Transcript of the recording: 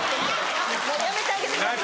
やめてあげてください。